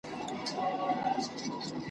له لومړۍ ورځي په غم د ځان دی ,